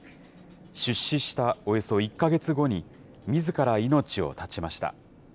出資したおよそ１か月後にみずから命を絶ちました。